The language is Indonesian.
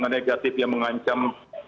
negatif yang mengancam